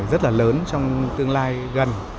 rất là lớn trong tương lai gần